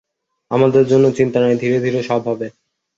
আমাদের জন্য চিন্তা নাই, ধীরে ধীরে সব হবে।